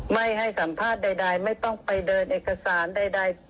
ไม่ให้สัมภาษณ์ใดไม่ต้องไปเดินเอกสารใด